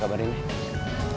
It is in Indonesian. kamu kabarin boy sekarang